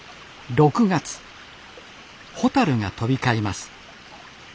６月ホタルが飛び交います。